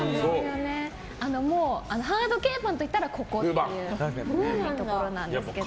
もうハード系パンといったらここっていうところなんですけど。